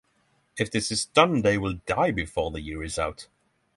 If this is done they will die before the year is out.